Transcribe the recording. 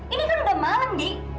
ini kan udah malam dik